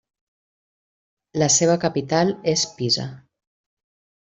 La seva capital és Pisa.